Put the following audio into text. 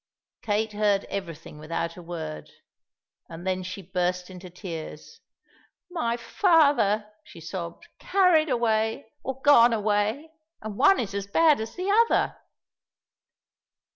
Kate heard everything without a word, and then she burst into tears. "My father," she sobbed, "carried away, or gone away, and one is as bad as the other!"